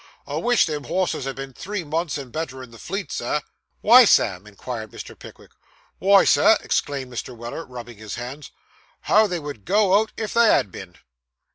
'I wish them horses had been three months and better in the Fleet, Sir.' 'Why, Sam?' inquired Mr. Pickwick. 'Wy, Sir,' exclaimed Mr. Weller, rubbing his hands, 'how they would go if they had been!